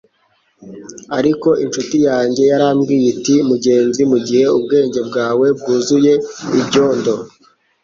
Ariko inshuti yanjye yarambwiye iti: 'Mugenzi, mugihe ubwenge bwawe bwuzuye ibyondo,